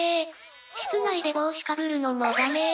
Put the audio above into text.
室内で帽子かぶるのもダメ！